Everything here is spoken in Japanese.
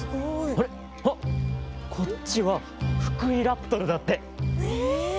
あれあっこっちはフクイラプトルだって。